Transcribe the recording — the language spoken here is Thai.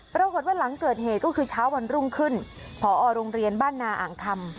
ปรากฏว่าหลังเกิดเหตุก็คือเช้าวันรุ่งขึ้นผอโรงเรียนบ้านนาอ่างคำ